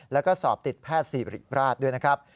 แล้วก็สอบติดแพทย์ซีริราชด้วยนะครับ